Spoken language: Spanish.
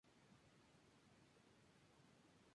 El mánager campeón fue Armando Marsans.